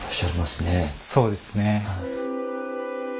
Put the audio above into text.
そうですね。